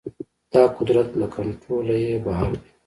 دا قدرت له کنټروله يې بهر دی.